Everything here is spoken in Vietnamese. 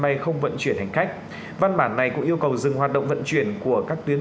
bay không vận chuyển hành khách văn bản này cũng yêu cầu dừng hoạt động vận chuyển của các tuyến